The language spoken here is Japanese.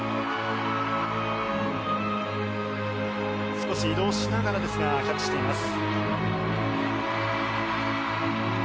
少し移動しながらですがキャッチしています。